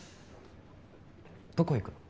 どこ行くの？